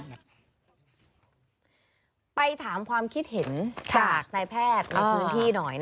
ไปถามความคิดเห็นจากนายแพทย์ในพื้นที่หน่อย